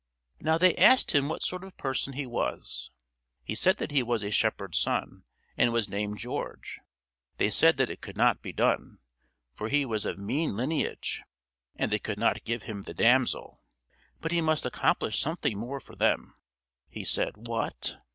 Now they asked him what sort of person he was. He said that he was a shepherd's son, and was named George. They said that it could not be done; for he was of mean lineage, and they could not give him the damsel; but he must accomplish something more for them. He said, "What?"